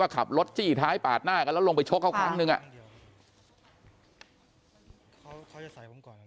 ว่าขับรถจี้ท้ายปาดหน้ากันแล้วลงไปชกเขาครั้งหนึ่งอ่ะ